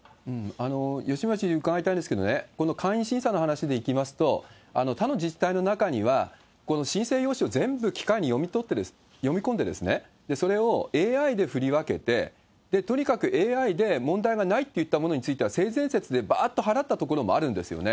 吉村知事、伺いたいんですけれども、この簡易審査の話でいきますと、他の自治体の中には、この申請用紙を全部機械で読み込んで、それをＡＩで振り分けて、とにかくＡＩで問題がないっていったものについては、性善説でばーっと払ったところもあるんですよね。